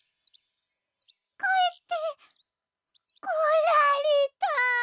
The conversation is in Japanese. かえってこられた！